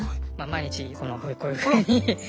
毎日こういうふうに。